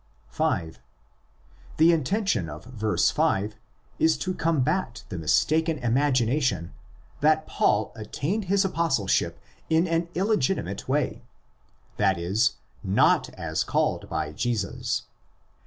(5) The intention of verse 5 is to combat the mistaken imagi nation that Paul attained the apostleship in an illegitimate way—that 18, not as called by Jesus.